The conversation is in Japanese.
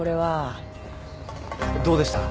どうでした？